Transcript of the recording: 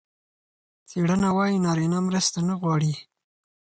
څېړنه وايي نارینه مرسته نه غواړي.